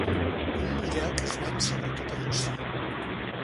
Un model que es ven sobretot a Rússia.